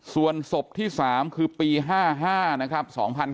ส่วนศพที่๓คือปี๕๕นะครับ